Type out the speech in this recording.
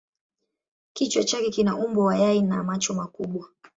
Kichwa chake kina umbo wa yai na macho makubwa.